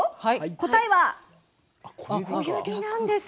答えは「小指」なんです。